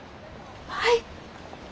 はい。